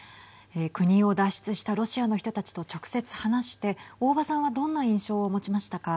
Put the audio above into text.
国を脱出したロシアの人たちと直接話して大庭さんはどんな印象を持ちましたか。